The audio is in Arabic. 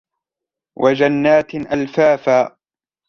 وَجَنَّاتٍ أَلْفَافًا